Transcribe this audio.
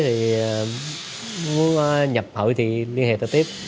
thì muốn nhập hội thì liên hệ tôi tiếp